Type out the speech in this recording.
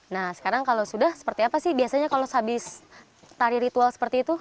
nah sekarang kalau sudah seperti apa sih biasanya kalau sehabis tari ritual seperti itu